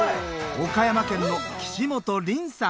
岡山県の岸本凜さん。